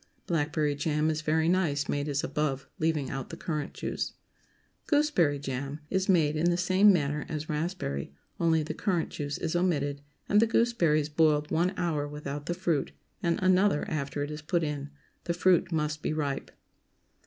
Blackberry jam is very nice made as above, leaving out the currant juice. GOOSEBERRY JAM Is made in the same manner as raspberry, only the currant juice is omitted, and the gooseberries boiled one hour without the fruit, and another after it is put in. The fruit must be ripe.